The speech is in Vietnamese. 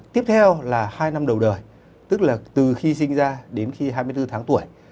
tiếp theo là hai năm đầu đời tức là từ khi sinh ra đến khi hai mươi bốn tháng tuổi